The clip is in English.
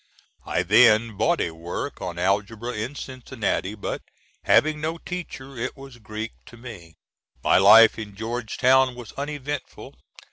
I then bought a work on algebra in Cincinnati; but having no teacher it was Greek to me. My life in Georgetown was uneventful.